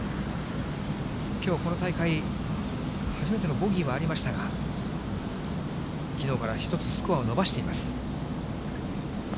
きょう、この大会初めてのボギーはありましたが、きのうから１つスコアを伸ばしています。